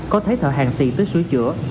có thấy thợ hàng tiền tới sửa chữa